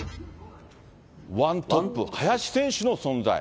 １トップ、林選手の存在。